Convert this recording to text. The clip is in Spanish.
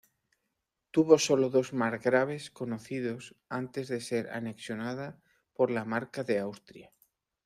Tuvo solo dos margraves conocidos antes de ser anexionada por la Marca de Austria.